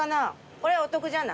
これお得じゃない？